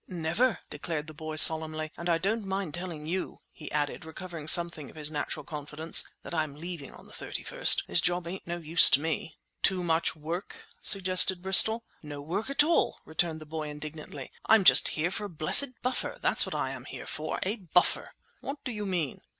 "Never!" declared the boy solemnly. "And I don't mind telling you," he added, recovering something of his natural confidence, "that I am leaving on the 31st. This job ain't any use to me!" "Too much work?" suggested Bristol. "No work at all!" returned the boy indignantly. "I'm just here for a blessed buffer, that's what I'm here for, a buffer!" "What do you mean?"